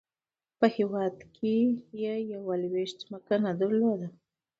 په هیواد کې یې لویشت ځمکه نه درلوده.